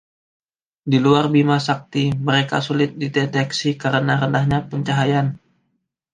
Di luar Bimasakti, mereka sulit dideteksi karena rendahnya pencahayaan.